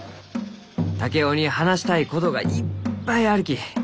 竹雄に話したいことがいっぱいあるき。